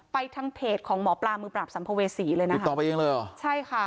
ทางเพจของหมอปลามือปราบสัมภเวษีเลยนะติดต่อไปเองเลยเหรอใช่ค่ะ